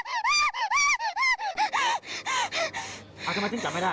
ทำไมไม่จับให้ได้